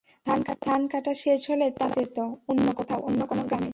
ধান কাটা শেষ হলেই তারা চলে যেত অন্য কোথাও, অন্য কোনো গ্রামে।